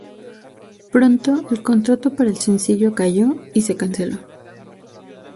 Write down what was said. Pronto el contrato para el sencillo cayó, y se canceló.